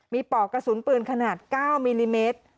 มีปอกกระสุนปืนขนาด๙มิลลิเมตร